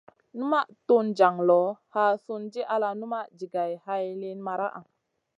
Numaʼ tun jaŋ loʼ, haa sùn di ala numaʼ jigay hay liyn maraʼa.